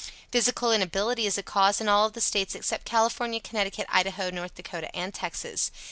Physical inability is a cause in all the States except California, Connecticut, Idaho, North Dakota and Texas.